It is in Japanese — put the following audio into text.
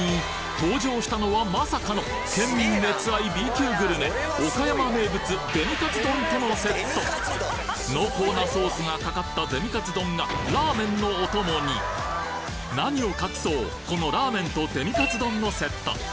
登場したのはまさかの県民熱愛Ｂ級グルメ岡山名物デミカツ丼とのセット濃厚なソースがかかったデミカツ丼がラーメンのお供に何を隠そうこのラーメンとデミカツ丼のセット